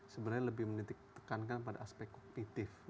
sebenarnya lebih menitikkan pada aspek kognitif